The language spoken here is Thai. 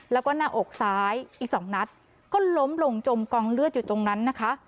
แล้วก็หน้าอกซ้ายอีก๒นัดก็ล้มลงจมกองเลือดอยู่ตรงนั้นนะคะ